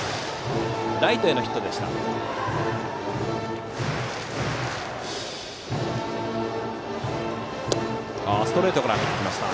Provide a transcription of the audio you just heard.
ライトへのヒットでした。